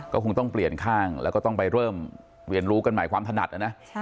ก็คงต้องเปลี่ยนข้างแล้วก็ต้องไปเริ่มเรียนรู้กันหมายความถนัดนะ